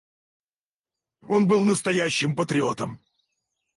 Он был настоящим патриотом.